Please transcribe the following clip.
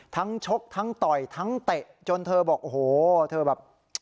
ชกทั้งต่อยทั้งเตะจนเธอบอกโอ้โหเธอแบบ